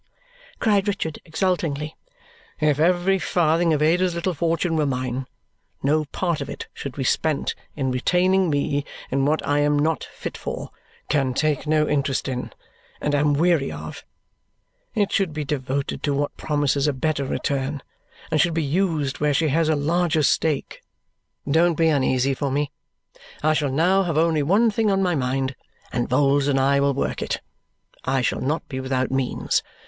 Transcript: cried Richard exultingly. "If every farthing of Ada's little fortune were mine, no part of it should be spent in retaining me in what I am not fit for, can take no interest in, and am weary of. It should be devoted to what promises a better return, and should be used where she has a larger stake. Don't be uneasy for me! I shall now have only one thing on my mind, and Vholes and I will work it. I shall not be without means.